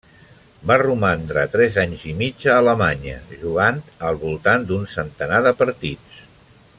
Va romandre tres anys i mig a Alemanya, jugant al voltant d'un centenar de partits.